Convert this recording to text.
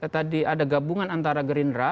tadi ada gabungan antara gerindra